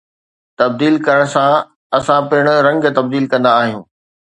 تبديل ڪرڻ سان، اسان پڻ رنگ تبديل ڪندا آهيون